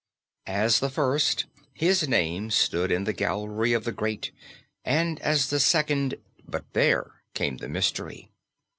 As the first, his name stood in the gallery of the great, and as the second but there came the mystery!